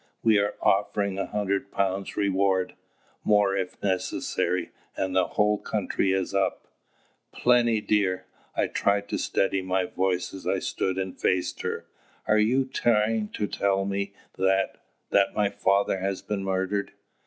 We are offering a hundred pounds reward more if necessary and the whole country is up " "Plinny dear" I tried to steady my voice as I stood and faced her "are you trying to tell me that that my father has been murdered?"